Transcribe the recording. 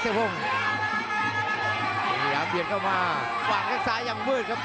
สิงหยามเปลี่ยนเข้ามาวางแก๊กซ้ายอย่างมืดครับ